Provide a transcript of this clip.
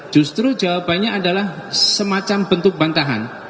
justru jawabannya adalah semacam bentuk bantahan